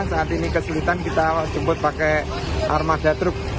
saat ini kesulitan kita jemput pakai armada truk